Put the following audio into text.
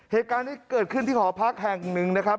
เหตุการณ์นี้เกิดขึ้นที่หอพักแห่งหนึ่งนะครับ